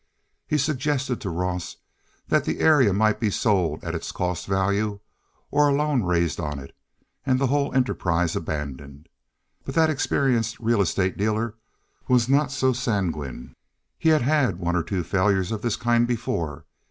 He suggested to Ross that the area might be sold at its cost value, or a loan raised on it, and the whole enterprise abandoned; but that experienced real estate dealer was not so sanguine. He had had one or two failures of this kind before.